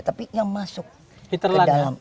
tapi yang masuk ke dalam